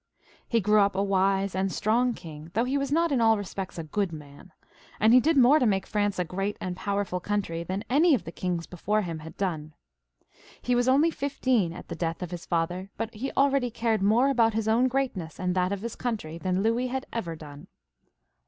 He grew up a wise and a strong king, though he was not in all respects a good man, and he did more to make France a great and powerful country than any of the kings before him had done. He was only fifteen at the death of his father, but he already cared more about his own greatness and that of his country than Louis had ever done.